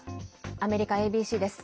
アメリカＡＢＣです。